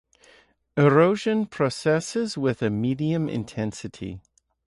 Erosion processes with a medium intensity.